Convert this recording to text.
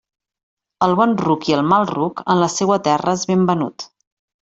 El bon ruc i el mal ruc, en la seua terra és ben venut.